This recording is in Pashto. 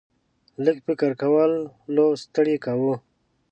لږ فکر کولو ستړی کاوه.